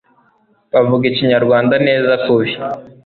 bavuga Ikinyarwanda neza kubi